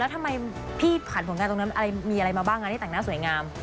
ทำไมพี่ผ่านผลงานตรงนั้นมีอะไรมาบ้างที่แต่งหน้าสวยงาม